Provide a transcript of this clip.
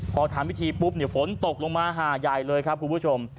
พอทำพิธีปุ๊บฝนตกลงมาหาใหญ่เลยครับคุณผู้ชม